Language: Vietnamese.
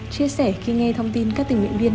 chia sẻ khi nghe thông tin các tình nguyện viên